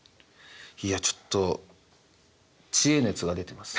いやちょっと知恵熱が出てます。